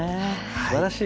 すばらしい。